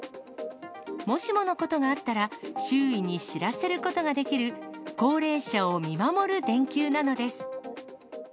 もしものことがあったら、周囲に知らせることができる、高齢者を見守る電球なのです。